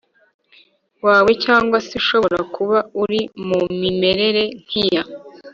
wawe Cyangwa se ushobora kuba uri mu mimerere nk iya